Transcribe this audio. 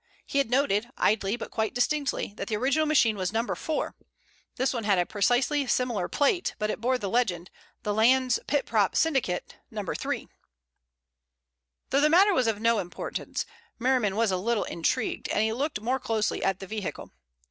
He had noted, idly but quite distinctly, that the original machine was No. 4. This one had a precisely similar plate, but it bore the legend "The Landes Pit Prop Syndicate, No. 3." Though the matter was of no importance, Merriman was a little intrigued, and he looked more closely at the vehicle.